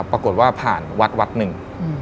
ปรากฏว่าผ่านวัดวัดหนึ่ง